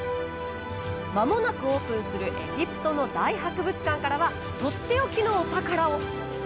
まもなくオープンするエジプトの大博物館からはとっておきのお宝を。